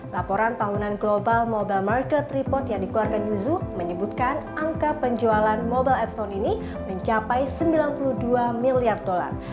laporan tahunan global mobile market report yang dikeluarkan yuzu menyebutkan angka penjualan mobile apps tahun ini mencapai sembilan puluh dua miliar dolar